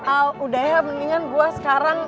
ah udah ya mendingan gue sekarang